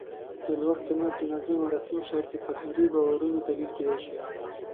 د لوړ قېمت جنازې مراسم شاید د فرهنګي باورونو دلیل کېدی شي.